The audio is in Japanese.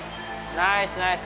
ナイスナイス！